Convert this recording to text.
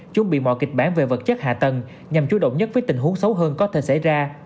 chuẩn bị mọi kịch bản về vật chất hạ tầng nhằm chú động nhất với tình huống xấu hơn có thể xảy ra